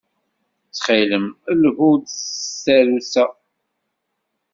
Ttxil-m, lhu-d s tsarut-a.